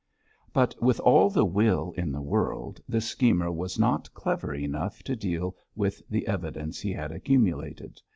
But with all the will in the world this schemer was not clever enough to deal with the evidence he had accumulated.